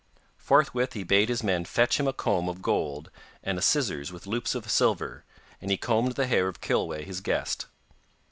Forthwith he bade his men fetch him a comb of gold and a scissors with loops of silver, and he combed the hair of Kilweh his guest.